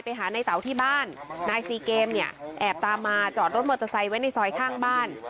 ไปหานายเต๋าที่บ้านนายซีเกมเนี่ยแอบตามมาจอดรถมอเตอร์ไซค์ไว้ในซอยข้างบ้าน